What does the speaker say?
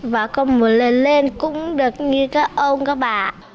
và con một lần lên cũng được nghe các ông các bà